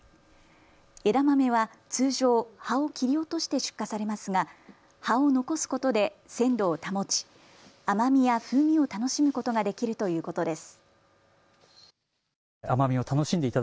枝豆は通常、葉を切り落として出荷されますが葉を残すことで鮮度を保ち、甘みや風味を楽しむことができるということです。